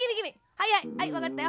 はいはいはいわかったよ。